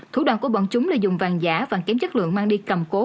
thủ đoạn của bọn chúng là dùng vàng giả vàng kém chất lượng mang đi cầm cố